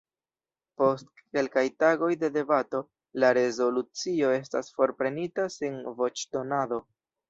Post kelkaj tagoj de debato, la rezolucio estas forprenita sen voĉdonado.